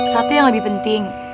satu yang lebih penting